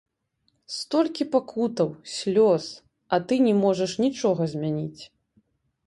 Столькі пакутаў, слёз, а ты не можаш нічога змяніць.